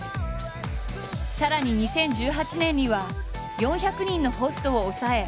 さらに２０１８年には４００人のホストを抑え